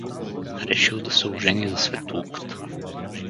Решил да се ожени за Светулката.